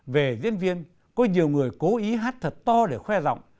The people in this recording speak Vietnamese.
về diễn viên có nhiều người cố ý hát thật to để khoe rộng